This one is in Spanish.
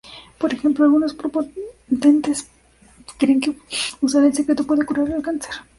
Por ejemplo, algunos proponentes creen que usar "el secreto" puede curar el cáncer.